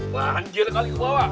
wah anjir kali kebawa